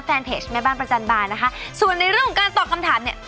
แฟนเพจแม่บ้านประจันบานนะคะส่วนในเรื่องของการตอบคำถามเนี่ย